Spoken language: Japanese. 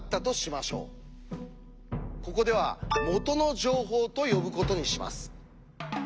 ここでは「元の情報」と呼ぶことにします。